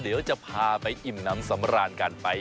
เดี๋ยวจะพาไปอิ่มน้ำสำราญกันไป